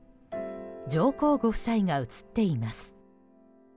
上皇ご夫妻が写っています。